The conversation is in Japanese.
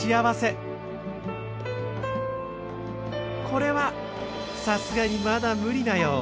これはさすがにまだ無理なよう。